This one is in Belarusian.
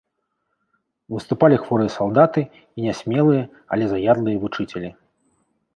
Выступалі хворыя салдаты і нясмелыя, але заядлыя вучыцялі.